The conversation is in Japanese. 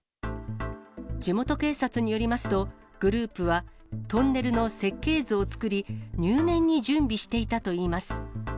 地元警察によりますと、グループはトンネルの設計図を作り、入念に準備していたといいます。